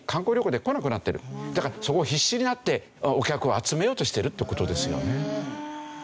だからそこを必死になってお客を集めようとしているって事ですよね。